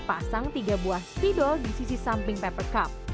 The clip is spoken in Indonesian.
pasang tiga buah spidol di sisi samping paper cup